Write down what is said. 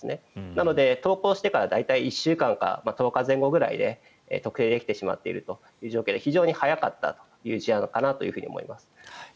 なので、投稿してから大体１週間から１０日前後で特定できてしまっているという状況で非常に早かった事案かなと思っております。